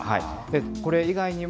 これ以外にも、